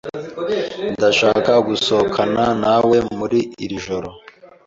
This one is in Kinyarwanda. Ndashaka gusohokana nawe muri iri joro.